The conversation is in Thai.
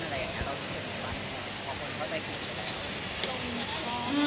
อะไรอย่างนี้